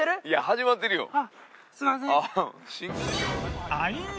いや始まってるよ。